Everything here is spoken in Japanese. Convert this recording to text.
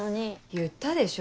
言ったでしょ